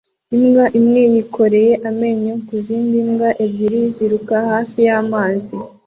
Imbwa imwe yikoreye amenyo ku zindi mbwa ebyiri ziruka hafi y'amazi